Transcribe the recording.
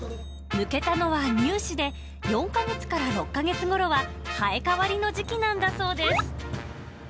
抜けたのは乳歯で、４か月から６か月ごろは生え替わりの時期なんだそうです。